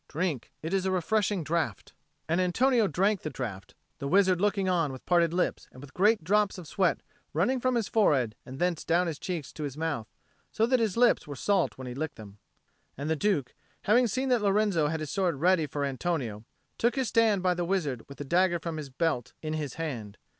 Drink: it is a refreshing draught." And Antonio drank the draught, the wizard looking on with parted lips and with great drops of sweat running from his forehead and thence down his cheeks to his mouth, so that his lips were salt when he licked them. And the Duke, having seen that Lorenzo had his sword ready for Antonio, took his stand by the wizard with the dagger from his belt in his hand.